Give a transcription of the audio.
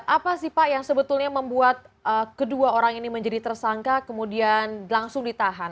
apa sih pak yang sebetulnya membuat kedua orang ini menjadi tersangka kemudian langsung ditahan